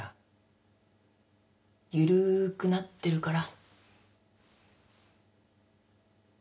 緩ーくなってるから。